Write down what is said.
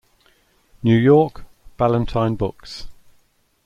New York: Ballantine Books.